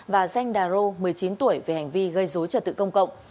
và danh đà rô một mươi chín tuổi về hành vi gây dối trật tự công cộng